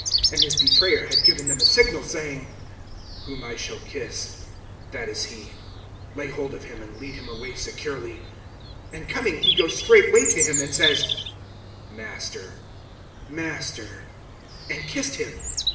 (44)And his betrayer had given them a signal, saying: Whom I shall kiss, that is he; lay hold of him, and lead him away securely. (45)And coming, he goes straightway to him, and says: Master, Master; and kissed him.